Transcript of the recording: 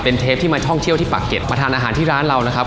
เป็นเทปที่มาท่องเที่ยวที่ปากเก็ตมาทานอาหารที่ร้านเรานะครับ